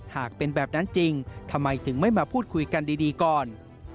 หากเป็นแบบนั้นจริงทำไมถึงไม่มาพูดคุยกันดีก่อน